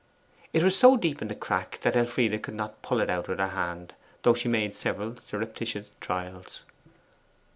It was so deep in the crack that Elfride could not pull it out with her hand, though she made several surreptitious trials.